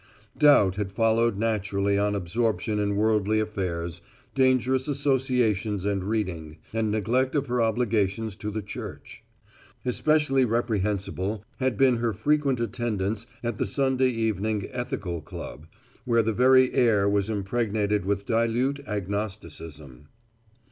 Doubt had followed naturally on absorption in worldly affairs, dangerous associations and reading, and neglect of her obligations to the Church. Especially reprehensible had been her frequent attendance at the Sunday Evening Ethical Club, where the very air was impregnated with dilute agnosticism.